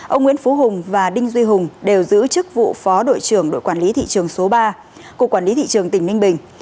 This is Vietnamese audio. ông nguyễn phú hùng và đinh duy hùng đều giữ chức vụ phó đội trưởng đội quản lý thị trường số ba cục quản lý thị trường tỉnh ninh bình